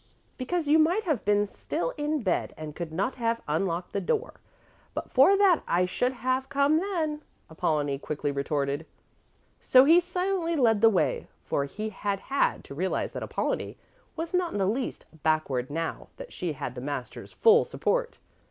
"Because you might have been still in bed and could not have unlocked the door. But for that I should have come then," Apollonie quickly retorted. So he silently led the way, for he had had to realize that Apollonie was not in the least backward now that she had the master's full support.